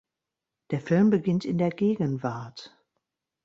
Der Film beginnt in der Gegenwart.